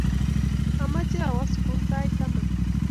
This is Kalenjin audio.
Amache awo sukul sait taman